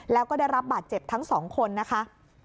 แล้วก็ได้รับบาดเจ็บทั้งสองคนนะคะ